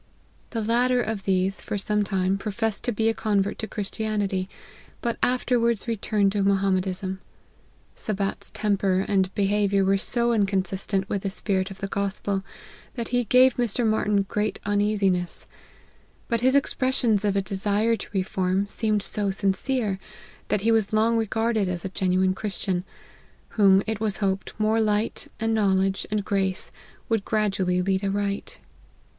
The latter of these, for some time, professed to be a convert to Christianity, but afterwards returned to Moham medism. Sabat's temper and behaviour were so inconsistent with the spirit of the gospel, that he gave Mr. Martyn great uneasiness ; but his expres sions of a desire to reform seemed so sincere, that he was long regarded as a genuine Christian, whom, it was hoped, more light, and knowledge, and grace, would gradually lead aright.